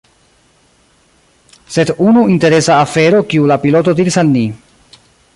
Sed unu Interesa afero kiu la piloto diris al ni.